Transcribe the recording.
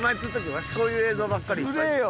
わしこういう映像ばっかり。